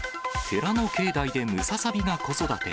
寺の境内でムササビが子育て。